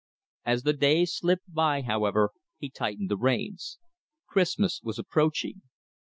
As the days slipped by, however, he tightened the reins. Christmas was approaching.